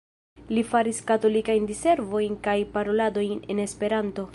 Li faris katolikajn diservojn kaj paroladojn en Esperanto.